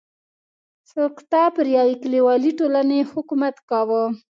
سلکتا پر یوې کلیوالې ټولنې حکومت کاوه.